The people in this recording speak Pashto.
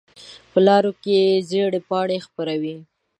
په لارو زېړې پاڼې خپرې وي